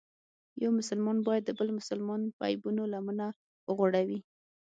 یو مسلمان باید د بل مسلمان په عیبونو لمنه وغوړوي.